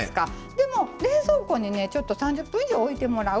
でも冷蔵庫にちょっと３０分以上置いてもらう。